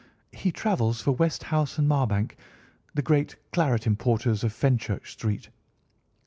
"He travels for Westhouse & Marbank, the great claret importers of Fenchurch Street."